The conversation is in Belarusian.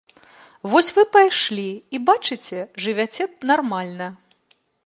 Вось вы пайшлі і, бачыце, жывяце нармальна.